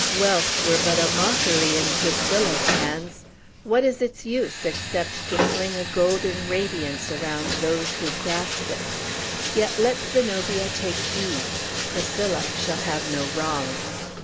Wealth were but a mockery in Priscilla's hands. What is its use, except to fling a golden radiance around those who grasp it? Yet let Zenobia take heed! Priscilla shall have no wrong!"